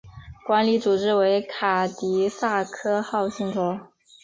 管理组织为卡蒂萨克号信托。